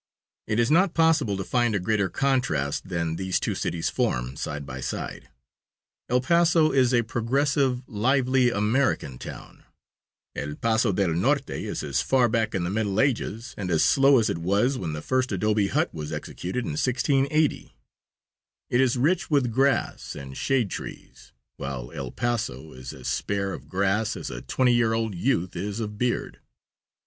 It is not possible to find a greater contrast than these two cities form, side by side. El Paso is a progressive, lively, American town; El Paso del Norte is as far back in the Middle Ages, and as slow as it was when the first adobe hut was executed in 1680. It is rich with grass and shade trees, while El Paso is as spare of grass as a twenty year old youth is of beard.